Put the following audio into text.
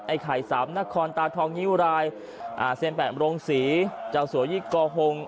ไอไข่สำนครตาทองฮิวรายเส้นแปะโมรงศรีเจ้าสวยิกกอโฮง